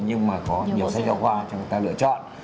nhưng mà có nhiều sách giáo khoa cho người ta lựa chọn